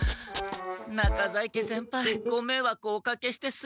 中在家先輩ごめいわくをおかけしてすみません。